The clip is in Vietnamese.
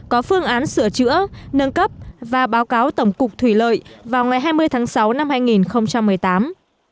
có phương án sửa chữa nâng cấp và báo cáo tổng cục thủy lợi vào ngày hai mươi tháng sáu năm hai nghìn một mươi tám